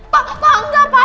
pak pak enggak pak